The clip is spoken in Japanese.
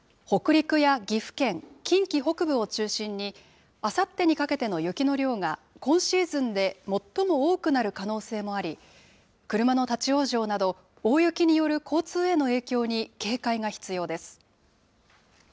北陸や岐阜県、近畿北部を中心に、あさってにかけての雪の量が今シーズンで最も多くなる可能性もあり、車の立往生など、大雪による交通への影響に警戒が必要です。